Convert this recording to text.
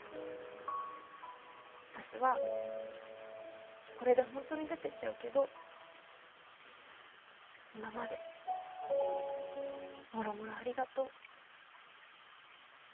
私はこれで本当に出てっちゃうけど今までもろもろありがとう。